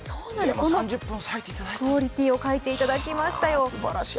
このクオリティーで描いていただきましたよ。